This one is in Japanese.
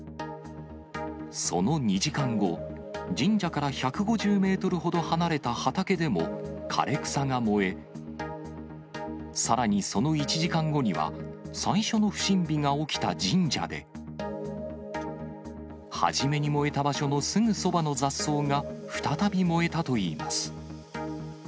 その２時間後、神社から１５０メートルほど離れた畑でも、枯れ草が燃え、さらにその１時間後には、最初の不審火が起きた神社で、初めに燃えた場所のすぐそばの雑草が、再び燃えたといいます。